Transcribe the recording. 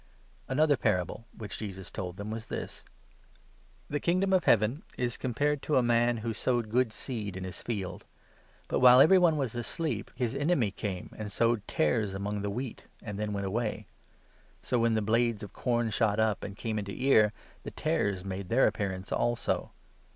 " Parable Another parable which Jesus told them was 24 of the Tares, this — "The Kingdom of Heaven is compared to a man who sowed good seed in his field. But, while every one was asleep, 25 his enemy eame and sowed tares among the wheat, and then went away. So, when the blades of corn shot up, and came 26 into ear, the tares made their appearance also.